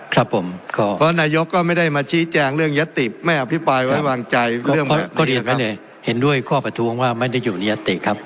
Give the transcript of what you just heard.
ครับผมเพราะนายกก็ไม่ได้มาชี้แจงเรื่องยัตติไม่อภิปรายไว้วางใจเรื่องเห็นด้วยข้อประท้วงว่าไม่ได้อยู่ในยัตติครับ